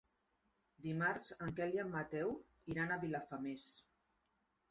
Dimarts en Quel i en Mateu iran a Vilafamés.